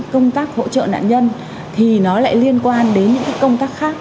công tác hỗ trợ nạn nhân thì nó lại liên quan đến những công tác khác